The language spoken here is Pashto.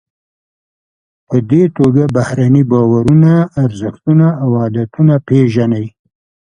په دې توګه بهرني باورونه، ارزښتونه او عادتونه پیژنئ.